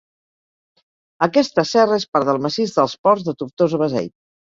Aquesta serra és part del massís dels Ports de Tortosa-Beseit.